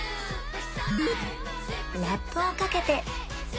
ラップをかけて